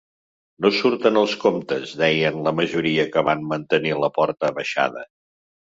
No surten els comptes, deien la majoria que van mantenir la porta abaixada.